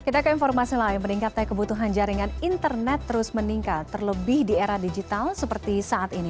kita ke informasi lain meningkatnya kebutuhan jaringan internet terus meningkat terlebih di era digital seperti saat ini